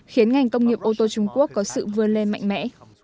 khiến ngành công nghiệp ô tô trung quốc có sự vươn lên mạnh mẽ